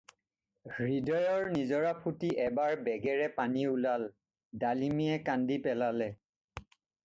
হৃদয়ৰ নিজৰা ফুটি এবাৰ বেগেৰে পানী ওলাল, ডালিমীয়ে কান্দি পেলালে।